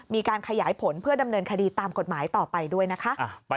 มีการขยายผลเพื่อดำเนินคดีตามกฎหมายต่อไปด้วยนะคะ